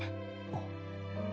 あっ。